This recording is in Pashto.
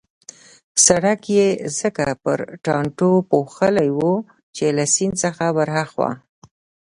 سړک يې ځکه په ټانټو پوښلی وو چې له سیند څخه ورهاخوا.